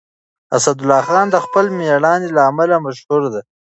اسدالله خان د خپل مېړانې له امله مشهور شو.